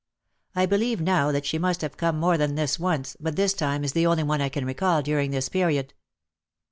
I believe now that she must have come more than this once, but this time is the only one I can recall during this period.